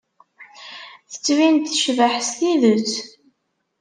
Tettbin-d tecbeḥ s tidet.